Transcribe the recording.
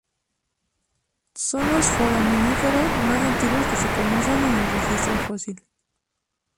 Son los foraminíferos más antiguos que se conocen en el registro fósil.